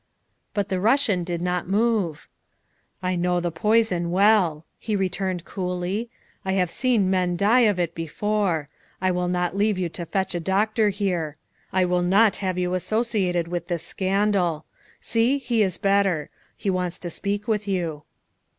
But the Russian did not move. ' I know the poison well, '' he returned coolly ; "I have seen men die of it before. I will not leave you to fetch a doctor here ; I will not have you associated with 300 THE WIFE OF this scandal. See, he is better. He wants to speak with you."